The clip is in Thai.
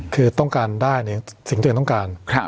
คือต้องการได้ในสิ่งที่ตัวเองต้องการ